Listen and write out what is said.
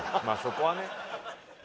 まあそこはね。